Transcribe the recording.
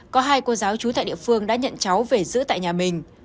có hai cô giáo trú tại địa phương đã nhận cháu về giữ tại nhà mình